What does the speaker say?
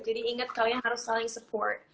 ingat kalian harus saling support